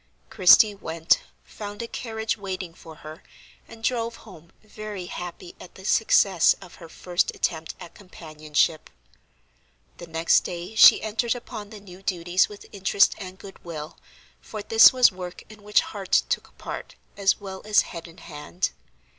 Christie went, found a carriage waiting for her, and drove home very happy at the success of her first attempt at companionship. The next day she entered upon the new duties with interest and good will, for this was work in which heart took part, as well as head and hand.